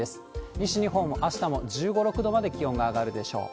西日本、あしたも１５、６度まで気温が上がるでしょう。